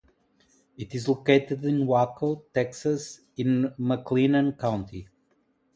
It is located in Waco, Texas, in McLennan County.